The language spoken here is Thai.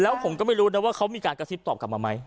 แล้วผมก็ไม่รู้นะว่าเขามีการกระซิบตอบกลับมาไหม